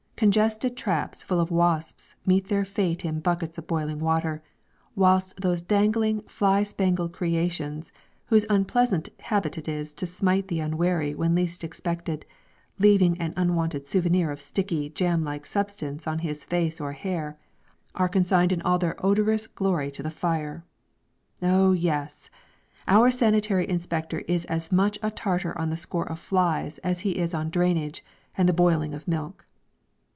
Congested traps full of wasps meet their fate in buckets of boiling water, whilst those dangling fly spangled creations, whose unpleasant habit it is to smite the unwary when least expected, leaving an unwanted "souvenir" of sticky, jam like substance on his face or hair, are consigned in all their odorous glory to the fire. Oh yes! our sanitary inspector is as much a tartar on the score of flies as he is on drainage and the boiling of milk.